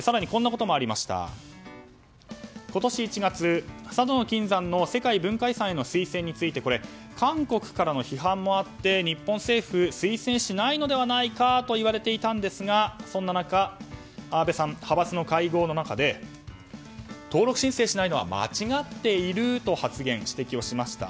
更に、今年１月、佐渡金山の世界文化遺産への推薦について韓国からの批判もあって日本政府は推薦しないのではないかといわれていたんですがそんな中、安倍さんは派閥の会合の中で登録申請しないのは間違っていると発言・指摘をしました。